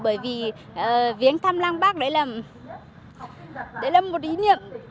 bởi vì viếng thăm lăng bác đấy là một ý niệm